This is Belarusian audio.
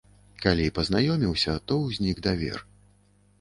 Калі пазнаёміўся, то ўзнік давер.